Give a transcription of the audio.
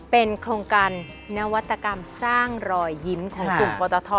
เป็นโครงการนวัตกรรมสร้างรอยยิ้มของกลุ่มปตท